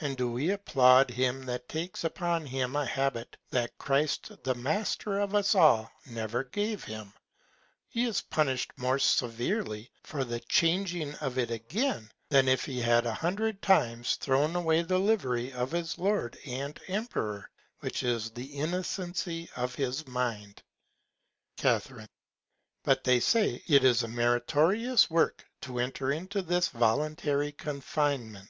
And do we applaud him that takes upon him a Habit that Christ the Master of us all never gave him? He is punish'd more severely for the changing it again, than if he had a hundred Times thrown away the Livery of his Lord and Emperor, which is the Innocency of his Mind. Ca. But they say, it is a meritorious Work to enter into this voluntary Confinement.